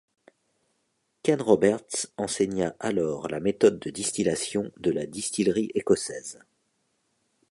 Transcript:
Ken Roberts, enseigna alors la méthode de distillation de la distillerie écossaise.